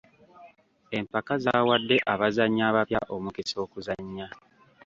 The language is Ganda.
Empaka zaawadde abazannyi abapya omukisa okuzannya.